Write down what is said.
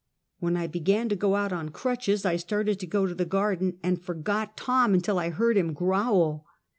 When I began to go out on crutches, I started to go to the garden, and forgot Tom until I heard him growl.